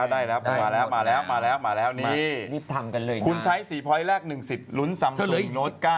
ได้แล้วได้แล้วมาแล้วนี่คุณใช้๔พอร์ตแรก๑สิทธิ์ลุ้น๓สุดโน้ต๙